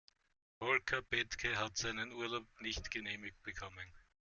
Volker Bethke hat seinen Urlaub nicht genehmigt bekommen.